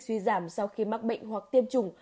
tuy giảm sau khi mắc bệnh hoặc tiêm chủng